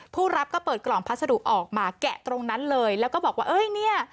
ผู้รับก็เปิดกล่องพัสดุออกมาแกะตรงนั้นเลยแล้วก็บอกว่าเอ้ยเนี่ย